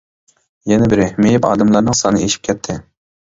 يەنە بىرى مېيىپ ئادەملەرنىڭ سانى ئېشىپ كەتتى.